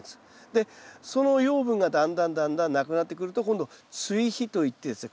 でその養分がだんだんだんだんなくなってくると今度追肥といってですね